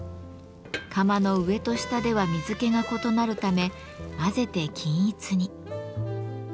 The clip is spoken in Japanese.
釜の上と下では水けが異なるため混ぜて均一に。